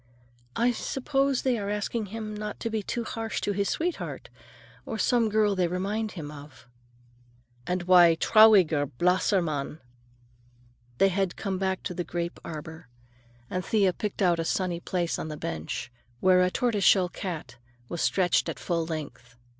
"I suppose he thinks they are asking him not to be harsh to his sweetheart—or some girl they remind him of." "And why trauriger, blasser Mann?" They had come back to the grape arbor, and Thea picked out a sunny place on the bench, where a tortoise shell cat was stretched at full length.